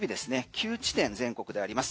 ９地点全国であります。